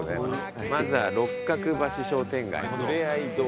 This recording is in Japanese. まずは六角橋商店街ふれあい通り。